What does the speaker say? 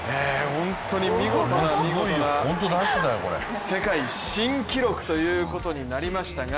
本当に見事な世界新記録ということになりましたが。